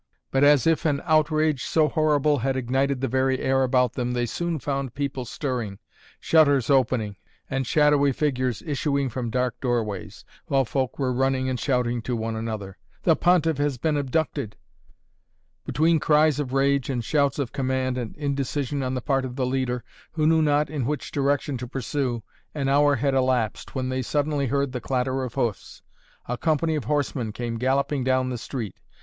But as if an outrage so horrible had ignited the very air about them, they soon found people stirring, shutters opening and shadowy figures issuing from dark doorways, while folk were running and shouting to one another: "The Pontiff has been abducted!" Between cries of rage and shouts of command and indecision on the part of the leader, who knew not in which direction to pursue, an hour had elapsed, when they suddenly heard the clatter of hoofs. A company of horsemen came galloping down the street.